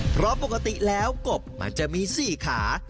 เพราะปกติแล้วกบมันจะมี๔ขา